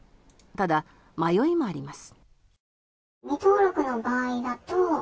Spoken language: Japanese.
ただ、迷いもあります。